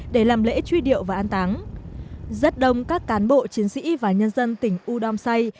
để làm lễ truy điệu và an táng rất đông các cán bộ chiến sĩ và nhân dân tỉnh udomsai